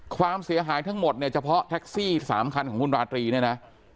ความเสียหายทั้งหมดเนี่ยเฉพาะแท็กซี่๓คันของคุณราตรีเนี่ยนะ